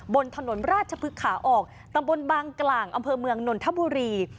บนถนนราชพฤกษาออกตำบลบางกลางอำเภอเมืองนนทบุรี